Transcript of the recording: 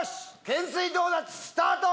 懸垂ドーナツスタート！